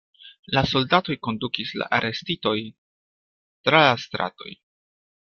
La soldatoj kondukis la arestitojn tra la stratoj.